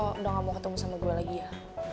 ehm atau lo udah nggak mau ketemu sama gue lagi ya